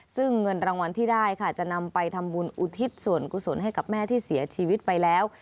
ซึ่งเงินรางวัลที่ได้ค่ะจะนำไปทำบุญอุทิศส่วนกุศลให้กับแม่ที่เสียชีวิตไปแล้ว